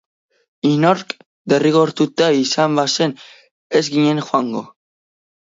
Inork derrigortuta izan bazen, ez ginen joango.